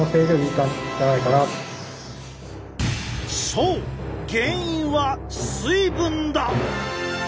そう原因は水分だ！